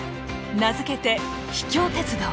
名付けて「秘境鉄道」。